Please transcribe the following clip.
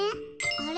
あれ？